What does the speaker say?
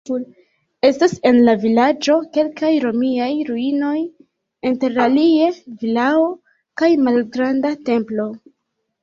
Estas en la vilaĝo kelkaj romiaj ruinoj, interalie vilao kaj malgranda templo.